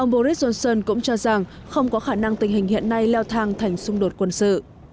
boris johnson cũng cho rằng không có khả năng tình hình hiện nay leo thang thành xung đột quân sự